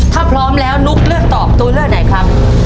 ถ้าพร้อมแล้วนุ๊กเลือกตอบตัวเลือกไหนครับ